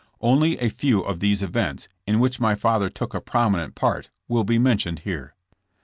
Only a few of these events, in which my father took a prominent part will be mentioned here.